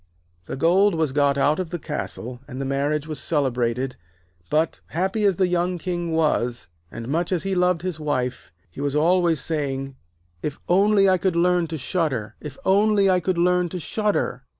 The gold was got out of the castle, and the marriage was celebrated, but, happy as the young King was, and much as he loved his wife, he was always saying: 'Oh, if only I could learn to shudder, if only I could learn to shudder.'